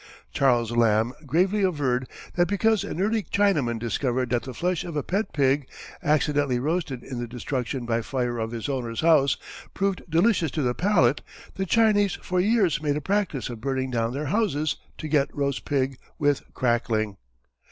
Charles Lamb gravely averred that because an early Chinaman discovered that the flesh of a pet pig, accidentally roasted in the destruction by fire of his owner's house, proved delicious to the palate, the Chinese for years made a practice of burning down their houses to get roast pig with "crackling."